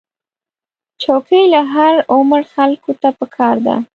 چوکۍ له هر عمر خلکو ته پکار ده.